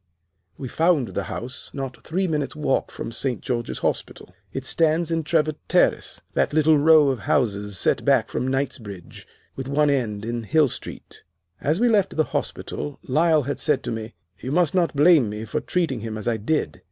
We found the house not three minutes' walk from St. George's Hospital. It stands in Trevor Terrace, that little row of houses set back from Knightsbridge, with one end in Hill Street. "As we left the hospital Lyle had said to me, 'You must not blame me for treating him as I did.